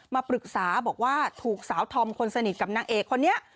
มาปรึกษาบอกว่าถูกสาวธอมคนสนิทกับนางเอกคนนี้